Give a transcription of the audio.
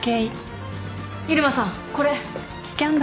入間さんこれ。